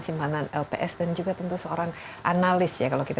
simpanan lps dan juga tentu seorang analis ya kalau kita